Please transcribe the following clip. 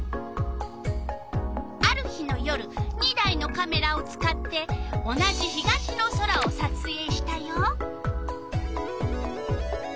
ある日の夜２台のカメラを使って同じ東の空をさつえいしたよ。